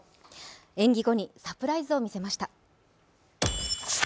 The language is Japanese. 演技後にサプライズを見せました。